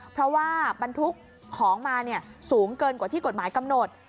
เพราะว่าบรรทุกของมาสูงเกินกว่าที่กฎหมายกำหนด